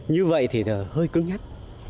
như vậy thì hơi cứng nhất